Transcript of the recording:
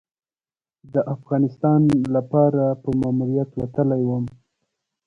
د افغانستان لپاره په ماموریت وتلی وم.